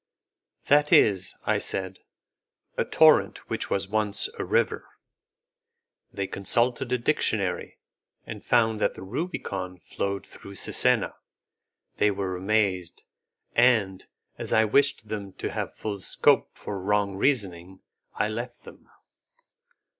"That is," I said, "a torrent which was once a river." They consulted a dictionary, and found that the Rubicon flowed through Cesena. They were amazed, and, as I wished them to have full scope for wrong reasoning, I left them.